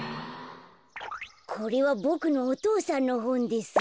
これはボクのお父さんのほんです。